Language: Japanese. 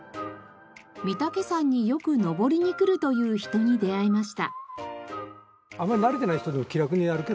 御岳山によく登りに来るという人に出会いました。